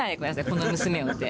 この娘をって。